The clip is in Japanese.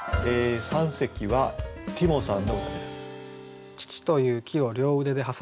三席はてぃもさんの歌です。